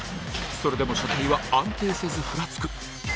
それでも車体は安定せずふらつく。